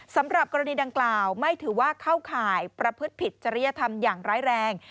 สำหรับกรณีดังกล่าวไม่ถือว่าเข้าข่ายประพฤติผิดจริยธรรมอย่างร้ายแรง